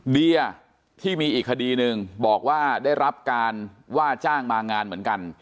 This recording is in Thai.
เดียที่มีอีกคดีหนึ่งบอกว่าได้รับการว่าจ้างมางานเหมือนกัน